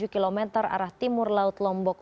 kilometer arah timur laut lombok